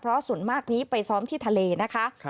เพราะส่วนมากนี้ไปซ้อมที่ทะเลนะคะ